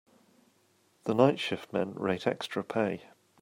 The night shift men rate extra pay.